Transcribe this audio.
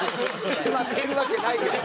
決まってるわけないやん。